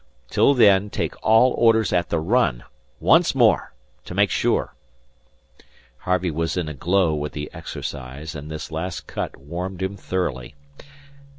Till then, take all orders at the run. Once more to make sure!" Harvey was in a glow with the exercise, and this last cut warmed him thoroughly.